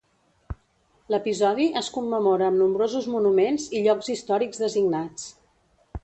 L'episodi es commemora amb nombrosos monuments i llocs històrics designats.